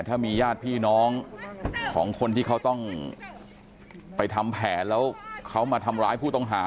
ถ้ามีญาติพี่น้องของคนที่เขาต้องไปทำแผนแล้วเขามาทำร้ายผู้ต้องหา